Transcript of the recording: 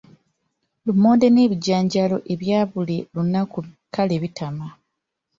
Lumonde n’ebijanjaalo ebya buli lunaku kale bitama.